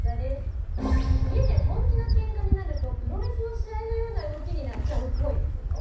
家で本気のケンカになるとプロレスの試合のような動きになっちゃうっぽい。